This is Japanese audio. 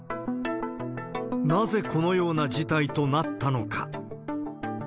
なぜこのような事態となったのか。